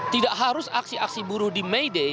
tidak harus aksi aksi buruh di mayday